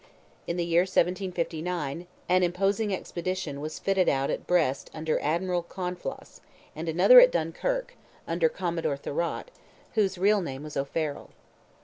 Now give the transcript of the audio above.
In the year 1759, an imposing expedition was fitted out at Brest under Admiral Conflaus, and another at Dunkirk, under Commodore Thurot, whose real name was O'Farrell.